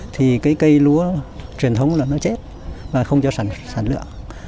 thì cái cây lúa truyền thống là nó chết và không cho sản lượng